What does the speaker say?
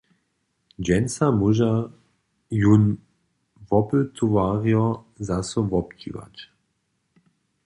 Dźensa móža jón wopytowarjo zaso wobdźiwać.